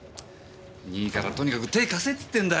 いいからとにかく手貸せっつってんだよ。